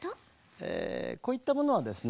ええこういったものはですね